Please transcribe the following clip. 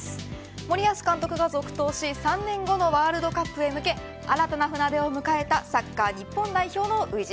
森保監督が続投し３年後のワールドカップへ向け新たな船出を迎えたサッカー日本代表の初陣。